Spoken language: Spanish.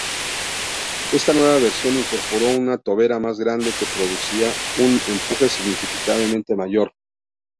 Esta nueva versión incorporó una tobera más grande que producía un empuje significativamente mayor.